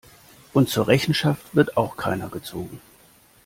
Und zur Rechenschaft wird auch keiner gezogen.